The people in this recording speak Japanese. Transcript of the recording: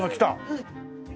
はい。